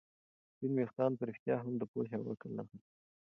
سپین ویښتان په رښتیا هم د پوهې او عقل نښه ده.